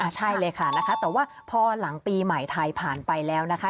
ใช่เลยค่ะนะคะแต่ว่าพอหลังปีใหม่ไทยผ่านไปแล้วนะคะ